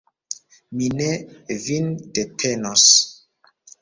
Mi ne vin detenos.